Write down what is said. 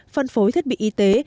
phân phối thiết bị y tế